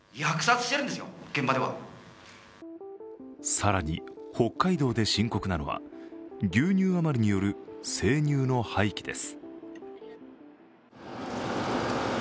更に北海道で深刻なのは牛乳余りによる生乳の廃棄です。